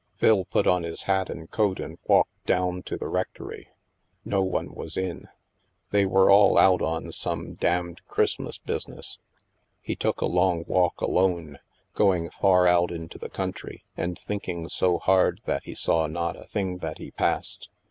Phil put on his hat and coat and walked down to the rectory. No one was in. They were all out on some " damned Christmas business." He took a long walk alone, going far out into the country, and thinking so hard that he saw not a thing that he passed.